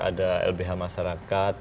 ada lbh masyarakat